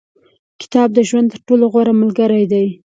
• کتاب، د ژوند تر ټولو غوره ملګری دی.